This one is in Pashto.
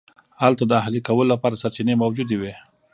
هلته د اهلي کولو لپاره سرچینې موجودې وې.